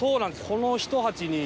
このひと鉢に。